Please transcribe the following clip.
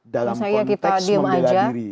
dalam konteks membela diri